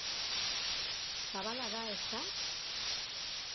Zabala da, ezta?